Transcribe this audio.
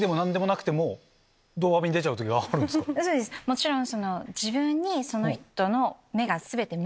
もちろん。